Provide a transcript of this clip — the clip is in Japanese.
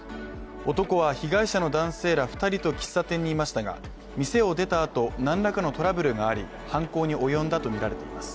男は被害者の男性ら２人と喫茶店にいましたが、店を出たあと、何らかのトラブルがあり犯行に及んだとみられています。